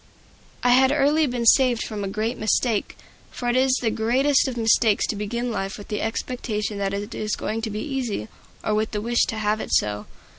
I had early been saved from a great mistake; for it is the greatest of mistakes to begin life with the expectation that it is going to be easy, or with the wish to have it so.